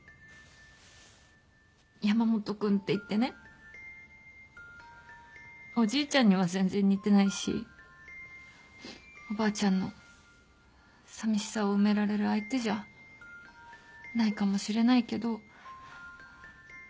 山本君っていってねおじいちゃんには全然似てないしおばあちゃんのさみしさを埋められる相手じゃないかもしれないけど。